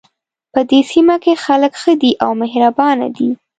په دې سیمه کې خلک ښه دي او مهربانه دي